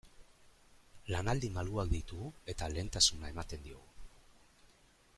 Lanaldi malguak ditugu eta lehentasuna ematen diogu.